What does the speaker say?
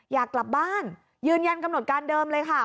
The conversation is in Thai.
อยากกลับบ้านยืนยันกำหนดการเดิมเลยค่ะ